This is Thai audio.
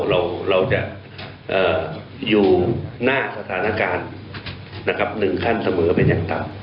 เราจะอยู่หน้าสถานการณ์๑ขั้นเสมอเป็นอย่างต่ำ